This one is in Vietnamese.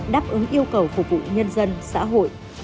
đáp ứng yêu cầu phục vụ nhân dân xã hội